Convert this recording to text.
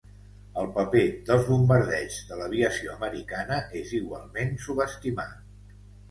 El paper dels bombardeigs de l'aviació americana és igualment subestimat.